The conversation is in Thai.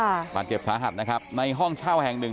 บาดเจ็บสาหัสนะครับในห้องเช่าแห่งหนึ่ง